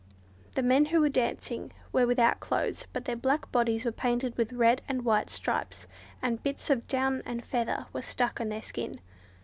The men who were dancing were without clothes, but their black bodies were painted with red and white stripes, and bits of down and feathers were stuck on their skin.